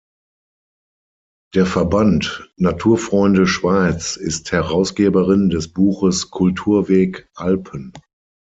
Der Verband Naturfreunde Schweiz ist Herausgeberin des Buches Kulturweg Alpen.